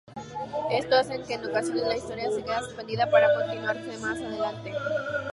Esto hace que en ocasiones la historia se queda suspendida para continuarse más adelante.